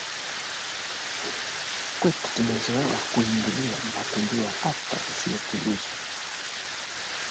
Hili linakwenda sambamba na ujenzi wa viwanda vya kusindika samaki